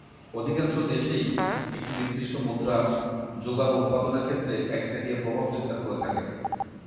অধিকাংশ দেশেই একটি নির্দিষ্ট মুদ্রা যোগান ও উৎপাদনের ক্ষেত্রে একচেটিয়া প্রভাব বিস্তার করে থাকে।